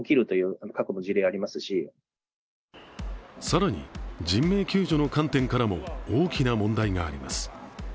更に、人命救助の観点からも大きな問題があります。